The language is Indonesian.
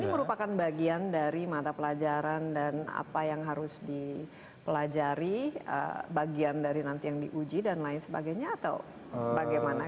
apakah itu membuatnya lebih mudah dari mata pelajaran dan apa yang harus dipelajari bagian dari nanti yang diuji dan lain sebagainya atau bagaimana